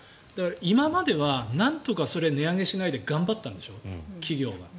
今まではなんとか値上げしないで頑張ったんでしょう、企業は。